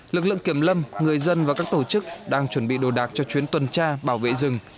lực lượng kiểm lâm người dân và các tổ chức đang chuẩn bị đồ đạc cho chuyến tuần tra bảo vệ rừng